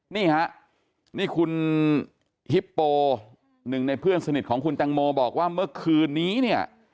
นี่ฮะนี่คุณฮิปโปหนึ่งในเพื่อนสนิทของคุณตังโมบอกว่าเมื่อคืนนี้เนี่ย